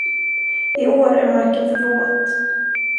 I år är marken för våt.